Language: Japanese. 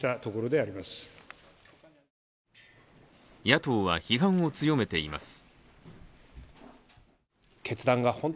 野党は批判を強めています。